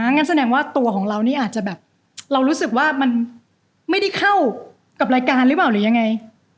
งั้นแสดงว่าตัวของเรานี่อาจจะแบบเรารู้สึกว่ามันไม่ได้เข้ากับรายการหรือเปล่าหรือยังไง